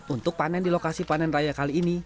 untuk panen di lokasi panen raya kali ini